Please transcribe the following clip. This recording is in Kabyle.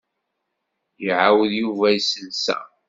Iɛawed Yuba iselsa.